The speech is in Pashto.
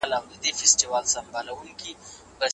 د کندهار خلکو د یوه لوی بدلون انتظار کاوه.